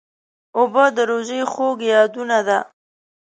اوبه د روژې خوږ یادونه ده.